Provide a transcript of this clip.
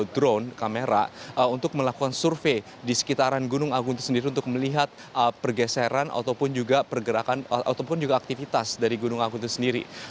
drone kamera untuk melakukan survei di sekitaran gunung agung itu sendiri untuk melihat pergeseran ataupun juga pergerakan ataupun juga aktivitas dari gunung agung itu sendiri